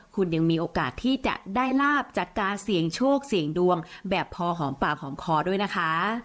คุณยังมีโอกาสที่จะได้ลาบจากการเสี่ยงโชคเสี่ยงดวงแบบพอหอมปากหอมคอด้วยนะคะ